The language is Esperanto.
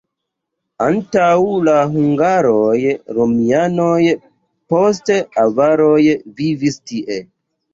Antaŭ la hungaroj romianoj, poste avaroj vivis tie.